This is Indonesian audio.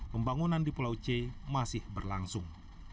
pembangunan di pulau c masih berlangsung